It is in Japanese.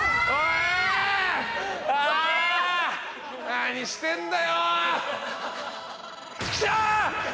何してんだよー！！